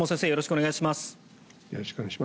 よろしくお願いします。